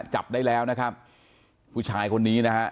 จับได้แล้วนะครับผู้ชายคนนี้นะฮะ